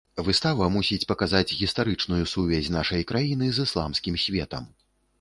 Выстава мусіць паказаць гістарычную сувязь нашай краіны з ісламскім светам.